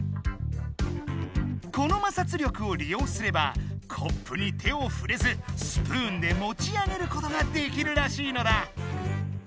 この摩擦力をりようすればコップに手をふれずスプーンでもち上げることができるらしいのだ。